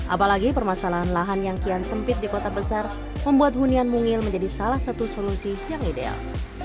apalagi permasalahan lahan yang kian sempit di kota besar membuat hunian mungil menjadi salah satu solusi yang ideal